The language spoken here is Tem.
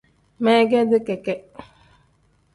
Meegeti keke.